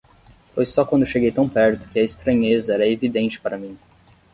Foi só quando cheguei tão perto que a estranheza era evidente para mim.